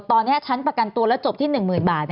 ตอนนี้ชั้นประกันตัวแล้วจบที่๑๐๐๐บาท